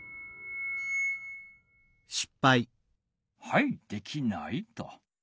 はいできないと。